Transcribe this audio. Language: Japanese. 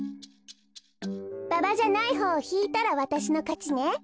ババじゃないほうをひいたらわたしのかちね。